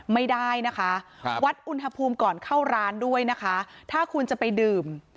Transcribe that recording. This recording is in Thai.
ไม่ได้นะคะครับวัดอุณหภูมิก่อนเข้าร้านด้วยนะคะถ้าคุณจะไปดื่ม